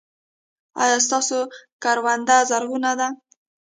ایا ستاسو کرونده زرغونه ده؟